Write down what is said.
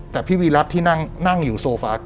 แต่พี่วีรัติที่นั่งอยู่โซฟา